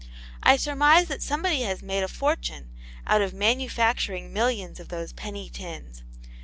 I surmise that somebody has made a fortune out of manufacturing millions of those penny tins.